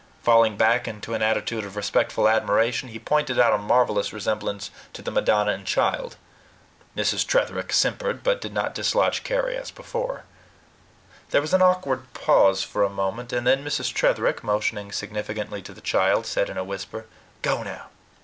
Falling back into an attitude of respectful admiration, he pointed out a marvelous resemblance to the "Madonna and Child." Mrs. Tretherick simpered, but did not dislodge Carry as before. There was an awkward pause for a moment; and then Mrs. Tretherick, motioning significantly to the child, said in a whisper: "Go now.